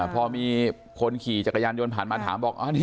พอมีคนขี่จักรยานยนต์ผ่านมาถามบอก